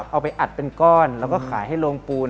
เอาไปอัดเป็นก้อนแล้วก็ขายให้โรงปูน